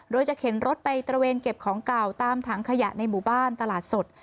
โดยจะเข็นรถไปตระเวนเก็บของเก่าตามถังขยะในหมู่บ้านตลาดสด